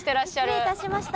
失礼いたしました。